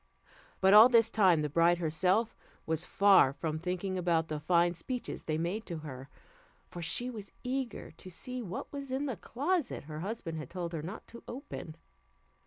But all this time the bride herself was far from thinking about the fine speeches they made to her, for she was eager to see what was in the closet her husband had told her not to open.